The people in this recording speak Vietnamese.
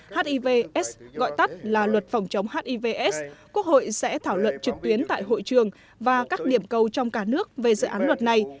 hivs gọi tắt là luật phòng chống hivs quốc hội sẽ thảo luận trực tuyến tại hội trường và các điểm cầu trong cả nước về dự án luật này